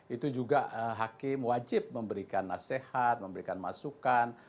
itu juga hakim wajib memberikan nasihat memberikan masukan